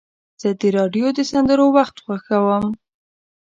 زه د راډیو د سندرو وخت خوښوم.